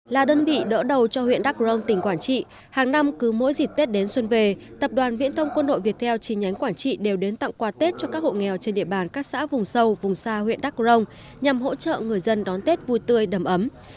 là đơn vị đỡ đầu cho huyện đắk rông tỉnh quảng trị hàng năm cứ mỗi dịp tết đến xuân về tập đoàn viễn thông quân đội việt theo chi nhánh quảng trị đều đến tặng quà tết cho các hộ nghèo trên địa bàn các xã vùng sâu vùng xa huyện đắk rông nhằm hỗ trợ người dân đón tết vui tươi đầm ấm